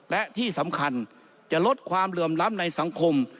และที่สำคัญจะลดความเหลื่อมล้ำในสังคม